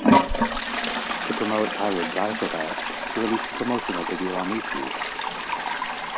To promote "I Would Die for That," she released a promotional video on YouTube.